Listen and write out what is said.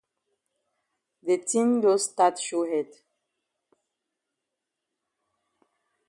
De tin don stat show head.